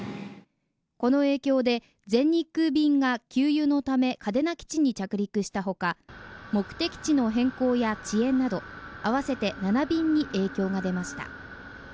この影響で全日空便が給油のため嘉手納基地に着陸したほか目的地の変更や遅延など合わせて７便に影響が出ました